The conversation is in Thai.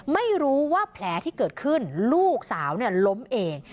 ไม่รู้ว่าแผลที่เกิดขึ้นลูกสาวล้มเอง